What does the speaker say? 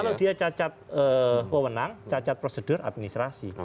kalau dia cacat wewenang cacat prosedur administrasi